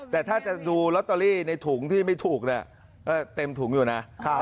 แต่ถ้าจะดูลอตเตอรี่ในถุงที่ไม่ถูกเนี่ยเต็มถุงอยู่นะ